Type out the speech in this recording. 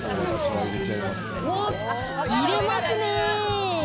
入れますね。